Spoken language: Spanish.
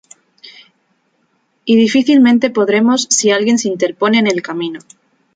Y difícilmente podremos si alguien se interpone en el camino.